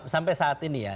sampai saat ini ya